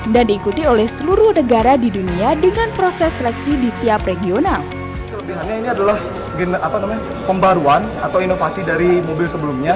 dan diikuti oleh seluruh negara di dunia dengan proses seleksi di tiap regional